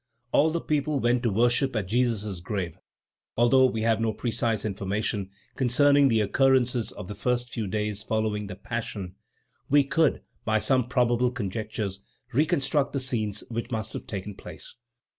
All the people went to worship at Jesus' grave. Although we have no precise information concerning the occurrences of the first few days following the Passion, we could, by some probable conjectures, reconstruct the scenes which must have taken place.